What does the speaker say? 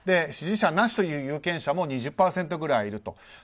支持者なしという有権者も２０％くらいいると。